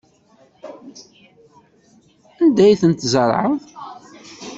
Anda ay ten-tzerɛeḍ?